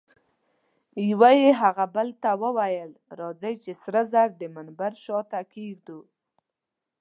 یوه یې هغه بل ته وویل: راځئ چي سره زر د منبر شاته کښېږدو.